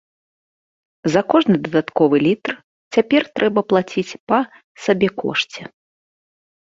За кожны дадатковы літр цяпер трэба плаціць па сабекошце.